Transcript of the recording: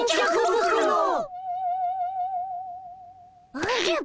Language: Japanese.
おじゃ貧！